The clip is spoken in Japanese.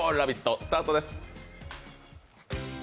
スタートです。